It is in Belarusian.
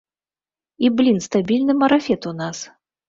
І, блін, стабільны марафет у нас.